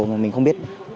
mà mình không biết